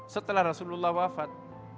setelah rasulullah wafat